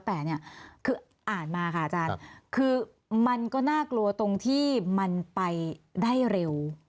แต่เนี่ยคืออ่านมาค่ะอาจารย์คือมันก็น่ากลัวตรงที่มันไปได้เร็ว